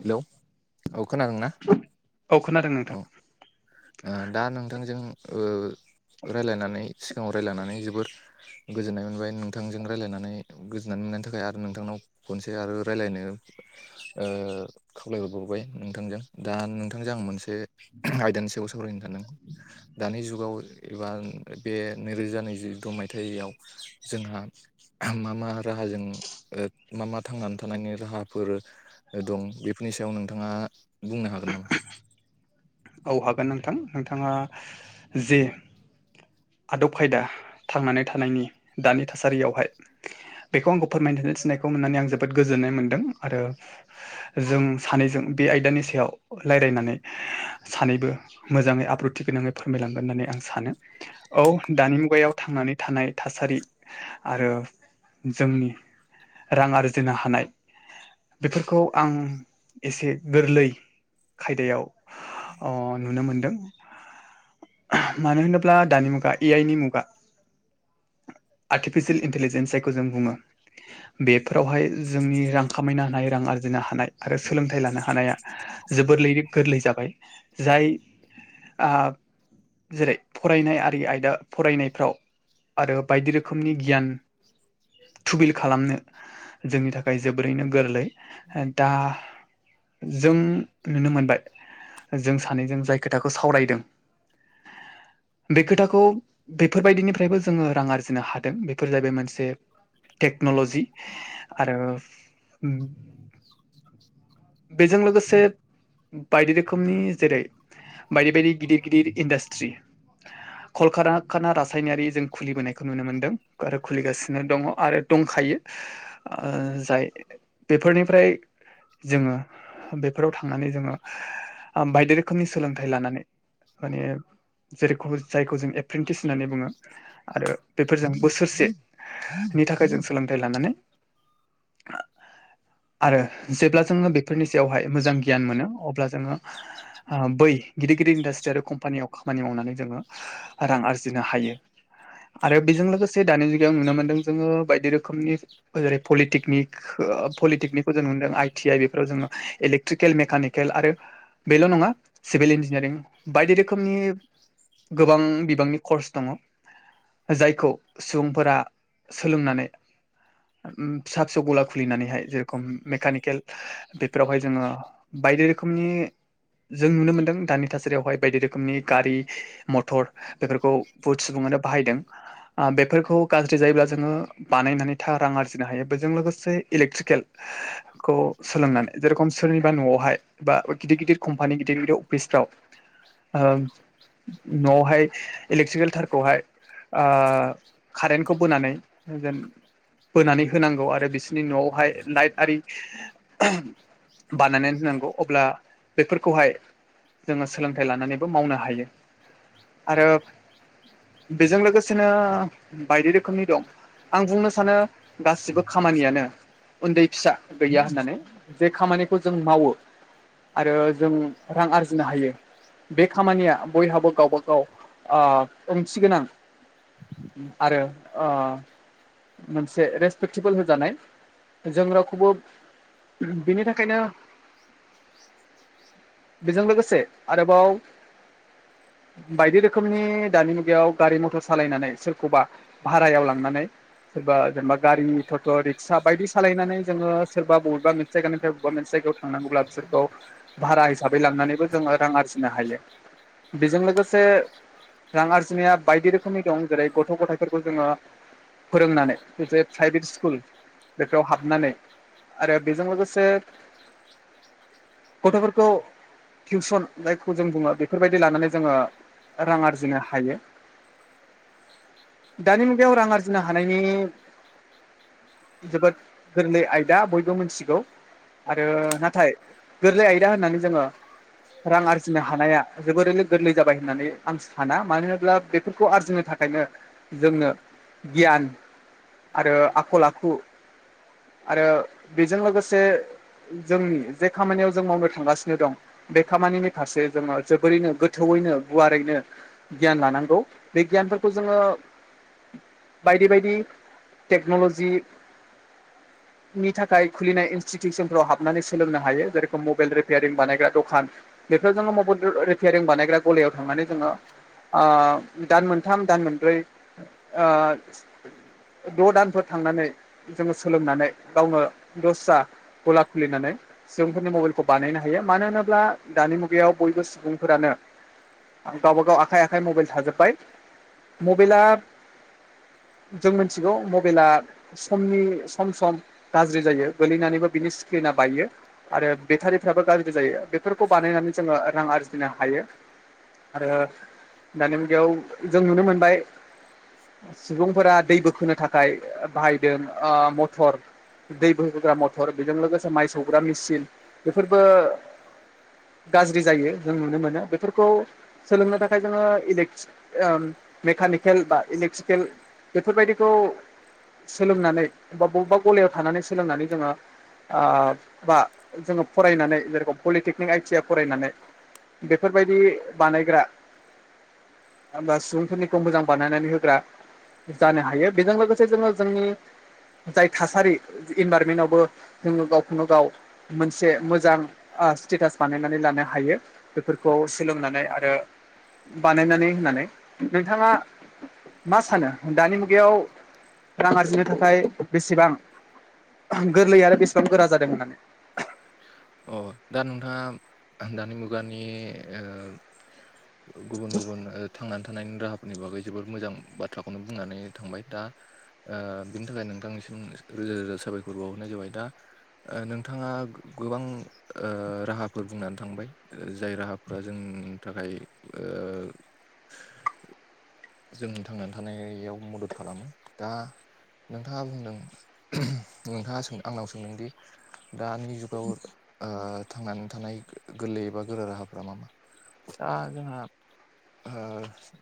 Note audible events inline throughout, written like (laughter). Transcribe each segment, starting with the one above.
Hello औ खोनादोंना औ खोनादों औ नोंथां ओ दा नोंथांजों ओ रायलायनानै सिगाङाव रायलायनानै जोबोर गोजोननाय मोनबाय नोंथांजों रायज्लायनानै गोजोननाय मोननायनि थाखाय आरो नोंथांनाव खनसे आरो रायज्लायनो खावलायहरबावबाय नोंथांजों दा नोंथांजों आं मोनसे आयदानि सायाव सावरायनो सानदों दानि जुगाव एबा बे नैरोजा नैजिद' मायथाइयाव जोंहा मा मा राहाजों मा मा थांनानै थानायनि राहाफोर दं बेफोरनि सायाव नोंथाङा बुंनो हागोन नामा औ हागोन नोंथां नोंथाङा जे आदब खायदा थांनानै थानायनि दानि थासारियावहाय बेखौ आंखौ फोरमायथिनो थिनायखौ मोननानै आं जोबोद गोजोननाय मोनदों आरो जों सानैजों बे आयदानि सायाव रायलायनानै सानैबो मोजाङै आब्रुथि गोनाङै फोरमायलांगोन होननानै आं सानो औ दानि मुगायाव थांनानै थानाय थासारि आरो जोंनि रां आरजिनो हानाय बेफोरखौ आं एसे गोरलै खायदायाव अ नुनो मोनदों मानो होनोब्ला दानि मुगा ए आइ नि मुगा आर्टिफिसियेल इन्टेलिजेन्स जायखौ जों बुङो बेफोरावहाय जोंनि रां खामायनो हानाय रां आरजिनो हानाय आरो सोलोंथाइ लानो हानाया जोबोरलैनो गोरलै जाबाय जाय आ जेरै फरायनाय आरि आयदा फरायनायफ्राव आरो बायदि रोखोमनि गियान थुबिल खालामनो जोंनि थाखाय जोबोरैनो गोरलै दा जों नुनो मोनबाय जों सानैजों जाय खोथाखौ सावरायदों बे खोथाखौ बेफोरबायदिनिफ्रायबो जोङो रां आरजि जिनो हादों बेफोर जाहैबाय मोनसे टेक्नलजि आरो बेजों लोगोसे बायदि रोखोमनि जेरै बायदि बायदि गिदिर गिदिर इन्डास्ट्रि कलकाखाना रासायनारि जों खुलिबोनाय खौ नुनो मोनदों आरो खुलिगासिनो दङ आरो दंखायो ओ जाय बेफोरनिफ्राय जोङो बेफोराव थांनानै जोङो बायदि रोखोमनि सोलोंथाइ लानानै माने जेरैखौ जायखौ जों एप्रेन्टिस होननानै बुङो आरो बेफोरजों बोसोरसेनि थाखाय जों सोलोंथाइ लानानै (inaudible) आरो जेब्ला जोङो बेफोरनि सायावहाय मोजां गियान मोनो अब्ला जोङो बै गिदिर गिदिर इन्डास्ट्रि आरो कम्पानियाव खामानि मावनानै जोङो रां आरजिनो हायो आरो बिजों लोगोसे दानि जुगायाव नुनो मोन्दों जोङो बायदि रोखोमनि जेरै पलिटेकनिक पलिटेकनिकखौ जों नुदों आइ टि आइ बेफोराव जोङो इलेक्ट्रिकेल मेकानिकेल आरो बेल नङा सिभिल इन्जिनियारिं बायदि रोखोमनि गोबां बिबांनि कर्स दङ जायखौ सुबुंफोरा सोलोंनानै फिसा फिसौ गला खुलिनानैहाय जेरखम मेकानिकेल बेफोरावहाय जोङो बायदि रोखोमनि जों नुनो मोनदों दानि थासारियावहाय बायदि रोखोमनि गारि मथर बेफोरखौ बहुद सुबुङानो बाहायदों बेफोरखौ गाज्रि जायोब्ला जोङो बानायनानै थार रां आरजिनो हायो बेजों लोगोसे इलेक्ट्रिकेल खौ सोलोंनानै जेरखम सोरनिबा न'आवहाय बा गिदिर गिदिर कम्पानि गिदिर गिदिर अफिसफ्राव ओ न'आवहाय इलेक्ट्रिकेल थारखौहाय ओ कारेन्टखौ बोनानै होगोन बोनानै होनांगौ आरो बिसोरनि न'आवहाय लाइट आरि बानायनानै होनांगौ अब्ला बेफोरखौहाय जोङो सोलोंथाइ लानानैबो मावनो हायो आरो बेजों लोगो नो बायदि रोखोमनि दं आं बुंनो सानो गासिबो खामानियानो उन्दै फिसा गैया होननानै जे खामानिखौ जों मावो आरो जों रां आरजिनो हायो बे खामानिया बयहाबो गावबा गाव ओंथि गोनां (inaudible) आरो ओ मोनसे रेसपेक्टेबोल होजानाय जों रावखौबो बिनि थाखायनो बेजों लोगोसे आरोबाव बायदि रोखोमनि दानि मुगायाव गारि मथर सालायनानै सोरखौबा भारायाव लांनानै सोरबा जेनेबा गारि थटट' रिक्सा बायदि सालायनानै जोङो सोरबा बबेबा मोन से जायगानिफ्राय बबेबा मोनसे जायगायाव थांनांगौब्ला बिसोरखौ भारा हिसाबै लांनानैबो जोङो रां आरजिनो हायो बेजों लोगोसे रां आरजिनाया बायदि रोखोम रोखोमनि दं जेरै गथ' गथायफोरखौ जोङो फोरोंनानै जे प्राइभेट स्कुल बेफोराव हाबनानै आरो बेजों लोगोसे गथ'फोरखौ टिउसन जायखौ जों बुङो बेफोरबायदि लानानै जोङो रां आरजिनो हायो दानि मुगायाव रां आरजिनो हानायनि जोबोद गोरलै आयदा बयबो मिथिगौ आरो नाथाय गोरलै आयदा होननानै जोङो रां आरजिनो हानाया जोबोरैनो गोरलै जाबाय होननानै आं साना मानो होनोब्ला बे बेफोरखौ आरजिनो थाखायनो जोंनो गियान आरो आखल आखु आरो बेजों लोगोसे जोंनि जे खामानियाव जों मावनो थांगासिनो दं बे खामानिनि फारसे जोङो जोबोरैनो गोथौयैनो गुवारैनो गियान लानांगौ बे गियानफोरखौ जोङो बायदि बायदि टेक्न'लजि (inaudible) नि थाखाय खुलिनाय इनस्टिटिउसनफोराव हाबनानै सोलोंनो हायो जेरेखम मबाइल रिपेयेरिं बानायग्रा दखान बेफोर जोङो मबाइल रिपेयारिं बानायग्रा गलायाव थांनानै जोङो दान मोनथाम दान मोनब्रै ओ द' दानफोर थांनानै जोङो सोलोंनानै गावनो दस्रा गला खुलिनानै सुबुंफोरनि मबाइलखौ बानायनो हायो मानो होनोब्ला दानि मुगायाव बयबो सुबुंफोरानो गावबा गाव आखाइ आखाइ मबाइल थाजोब्बाय मबाइला जों मिथिगौ मबाइला समनि सम सम गाज्रि जायो गोलैनानैबो बिनि स्क्रिना बायो आरो बेटारिफ्राबो गाज्रि जायो बेफोरखौ बानायनानै जोङो रां आरजिनो हायो। आरो दानि बेयाव जों नुनो मोनबाय सुबुंफोरा दै बोखोनो थाखाय थाखाय बाहायदों ओ मथर दै बोहोग्रा मथर बेजों लोगोसे माइ सौग्रा मेसिन बेफोरबो गाज्रि जायो जों नुनो मोनो बेफोरखौ सोलोंनो थाखाय जोङो इलेक्ट बा मेकानिकेल बा इलेक्ट्रिकेल बेफोरबायदिखौ सोलोंनानै बा बबेबा गलायाव थानानै सोलोंनानै जोङो बा जोङो फरायनानै जेरखम पलिटेकनिक आइ टि आ फरायनानै बेफोरबायदि बानायग्रा बा सुबुंफोरनिखौ मोजां बानायनानै होग्रा जानो हायो बेजों लोगोसे जोङो जोंनि जाय थासारि इनभाररमेन्टवबो जोङो गावखौनो गाव मोनसे मोजां स्टेटास बानायनानै लानो हायो। बेफोरखौ सोलोंनानै आरो बानायनानै होनानै नोंथाङा मा सानो दानि मुगायाव रां आरजिनो थाखाय बेसेबां गोरलै आरो बेसेबां गोरा जादों होननानै। अ दा नोंथाङा दानि मुगानि ओ गुबुन गुबुन थांनानै थानायनि राहाफोरनि बागै जोबोद मोजां बाथ्राखौनो बुंनानै थांबाय दा बिनि थाखाय नोंथांनिसिम रोजा रोजा साबायखर बावहरनाय जाबाय दा ओ नोंथाङा गोबां राहाफोर बुंनानै थांबाय जाय राहाफ्रा जोंनि थाखाय ओ जों थांनानै थानायाव मदद खालामो दा नोंथाङा बुंदों नोंथाङा सों आंनाव सोंदोंदि दानि जु गाव थांनानै थानाय गोरलै एबा गोरा राहाफ्रा मा मा? दा जोंहा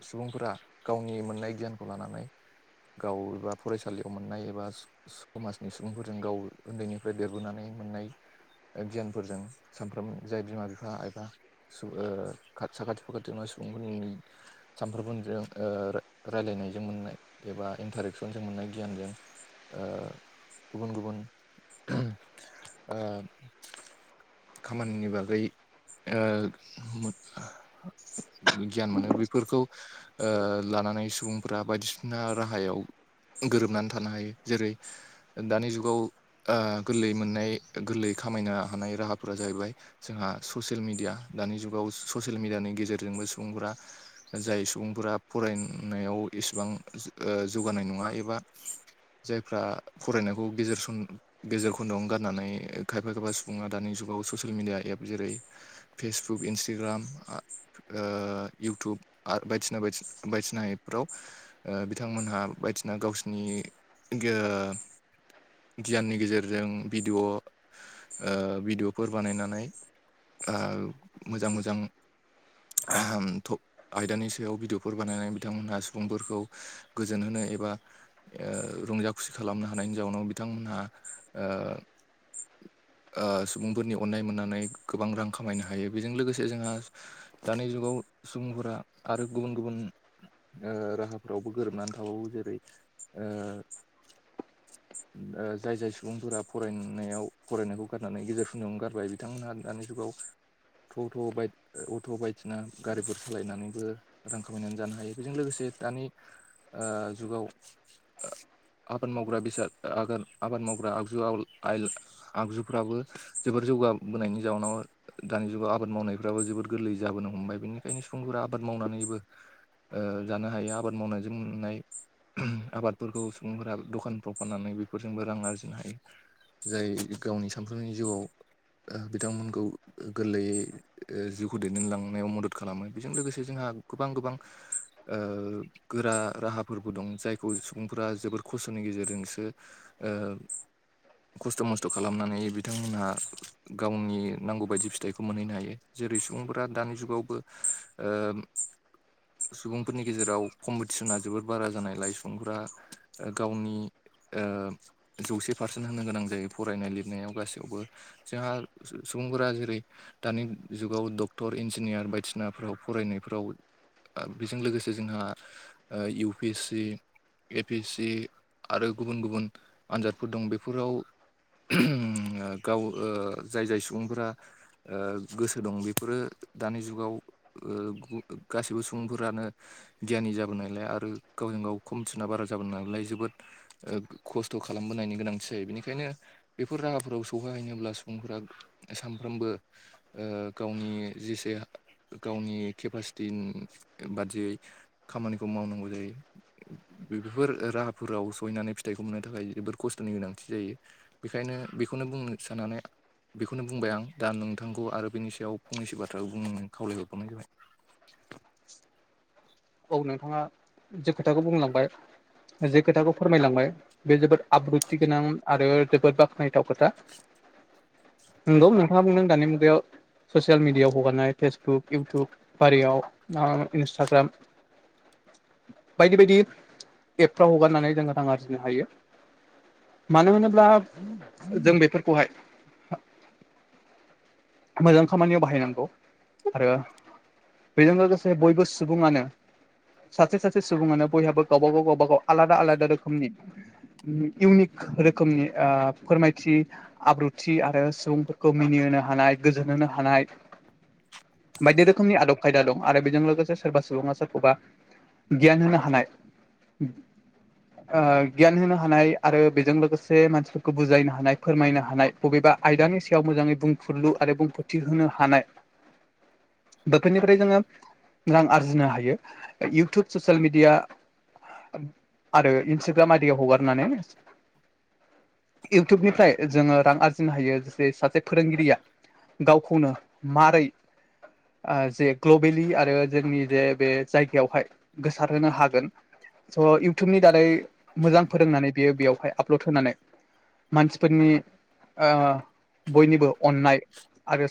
सुबुंफोरा गावनि मोननाय गियानखौ लानानै गाव एबा फरायसालियाव मोननाय एबा समाजनि सुबुंफोरजों गाव उन्दैनिफ्राय देरबोनानै मोननाय गियानफोरजों सानफ्रोम जाय बिमा बिफा एबा खा साखाथि फाखाथियाव मा सुबुंफोरनि सानफ्रोमबोजों रायलायनायजों मोननाय एबा इन्टारेक्सनजों मोननाय गियानजों ओ गुबुन गुबुन ओ खामानिनि बागै गियान मोनो बेफोरखौ ओ लानानै सुबुंफोरा बायदिसिना राहायाव गोरोबनानै थानो हायो जेरै दानि जुगाव गोरलै मोननाय गोरलैयै खामायनो हानाय राहाफोरा जाहैबाय जोंहा ससियेल मिडिया दानि जुगाव ससियेल मिडियानि गेजेरजोंबो सुबुंफोरा जाय सुबुंफोरा फरायनायाव एसेबां जौगानाय नङा एबा जायफ्रा फरायनायखौ गेजेर सम गेजेर खन्दआवनो गारनानै खायफा खायफा सुबुङा दानि जुगाव ससियेल मिडिया एप जेरै फेसबुक इन्सटाग्राम ओ इउटुब आरो बायदिसना बायदिसना बायदिसना एफफ्राव बिथांमोनहा बायदिना गावसिनि गे ओ गियाननि गेजेरजों भिडिअ' ओ भिडिअ'फोर बानायनानै मोजां मोजां (unintelligible) आयदानि सायाव भिडिअफोर बानायनानै बिथांमोनहा सुबुंफोरखौ गोजोन होनो एबा ओ रंजा खुसि खालामनो हानायनि जाउनाव बिथांमोनहा ओ सुबुंफोरनि अननाय मोननानै गोबां रां खामायनो हायो बेजों लोगोसे जोंहा दानि जुगाव सुबुंफोरा आरो गुबुन गुबुन राहाफ्रावबो गोरोबनानै थाबावो जेरै जाय जाय सुबुंफोरा फरायनो नायाव फरायनायखौ गारनानै गेजेर खिनियावनो गारबाय बिथांमोनहा दानि जुगाव ट'ट' बाय अट' बायदिसिना गारिफोर सालायनानैबो रां खामायनानै जानो हायो बेजों लोगोसे दानि जुगाव आबाद मावग्रा बेसाद आबाद मावग्रा आगजुवाव आइ (unintelligible) आगजुफ्राबो जोबोर जौगाबोनायनि जाउनाव दानि जुगाव आबाद मावनायफ्राबो जोबोर गोरलै जाबोनो हमबाय बेनिखायनो सुबुंफोरा आबाद मावनानैबो जानो हायो आबाद मावनायजों मोननाय आबादफोरखौ सुबुंफोरा दखानफ्राव फाननानै बेफोरजोंबो रां आरजिनो हायो जाय गावनि सानफ्रोमबोनि जिउआव बिथांमोनखौ गोरलैयै जिउखौ दैदेनलांनायाव मदद खालामो बेजों लोगोसे जोंहा गोबां गोबां गोरा राहाफोरबो दं जायखौ सुबुंफोरा जोबोर खस्थ'नि गेजेरजोंसो (unintelligible) खस्थ' मस्थ' खालामनानै बिथांमोनहा गावनि नांगौ बायदि फिथाइखौ मोनहैनो हायो जेरै सुबुंफोरा दानि जुगावबो सुबुंफोरनि गेजेराव कम्पिटिसना जोबोद बारा जानायलाय सुबुंफोरा गावनि जौसे पारसेन्ट होनो गोनां जायो फरायनाय लिरनायाव गासैयावबो जोंहा सुबुंफोरा जेरै दानि जुगाव डक्टर इन्जिनियार बायदिसनाफ्राव फरायनायफ्राव बेजों लोगोसे जोंहा U P S C A P S C आरो गुबुन गुबुन आनजादफोर दं बे फोराव गाव जाय जाय सुबुंफोरा गोसो दं बेफोरो दानि जुगाव गासैबो सुबुंफोरानो गियानि जाबोन नालाय आरो गावजों गाव खम (unintelligible) थना बारा जाबोनाय नालाय जोबोद खस्थ' खालामबोनायनि गोनां जायो बेनिखायनो बेफोर राहाफोराव सौहैैनोब्ला सुबुंफोरा सानफ्रोमबो गावनि जेसे गावनि केपासिटि बादियै खामानिखौ मावनांगौ जायो बेफोर राहाफोराव सहैनानै फिथाइखौ मोननो थाखाय जोबोर खस्थ' नि गोनांथि जायो बेखायनो बेखौनो बुंनो साननानै बेखौनो बुंबाय आं दा नोंथांखौ आरो बेनि सायाव फंनैसो बाथ्राखौ बुं खावलायहरबावनाय जाबाय (inaudible) औ नोंथाङा जे खोथाखौ बुंलांबाय जे खोथाखौ फोरमायलांबाय बे जोबोद आब्रुथि गोनां आरो जोबोद बाख्नायथाव खोथा नंगौ नोंथाङा बुंदों दानि मुगायाव ससियेल मिडियाआव हगारनाय फेसबुक इउटुब बायदियाव (unintelligible) इन्सटाग्राम बायदि बायदि एप फ्राव हगारनानै जोंङो रां आरजिनो हायो मानो होनोब्ला जों बेफोरखौहाय मोजां खामानियाव बाहायनांगौ आरो बेजों लोगोसे बयबो सुबुङानो सासे सासे सुबुङानो बयहाबो गावबा गाव गावबा गाव आलादा आलादा रोखोमनि इउनिक रोखोमनि फोरमायथि आब्रुथि आरो सुबुंफोरखौ मिनिहोनो हानाय गोजोन होनो हानाय बायदि रोखोमनि आदब खायदा दं आरो बेजों लोगोसे सोरबा सुबुङा सोरखौबा गियान होनो हानाय (inaudible) गियान होनो हानाय आरो बेजों लोगोसे मानसिफोरखौ बुजायनो हानाय फोरमायनो हानाय बबेबा आयदानि सायाव मोजाङै बुंफुरलु आरो बुंफोरथि होनो हानाय बेफोरनिफ्राय जोङो रां आरजिनो हायो इउटुब ससियेल मिडिया आरो इन्सटाग्राम आरियाव हगारनानै इउटुबनिफ्राय जोङो रां आरजिनो हायो जरै सासे फोरोंगिरिया गावखौनो मारै आ जे ग्लबेलि आरो जोंनि जे बे जायगायावहाय गोसारहोनो हागोन स इयउटुबनि दारै मोजां फोरोंनानै बेयो बेयावहाय आपलड होनानै मानसिफोरनि ओ बयनिबो अननाय आरो